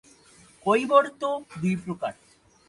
কৈবর্ত দুই প্রকার।